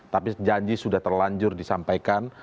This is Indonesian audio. tapi janji sudah terlanjur disampaikan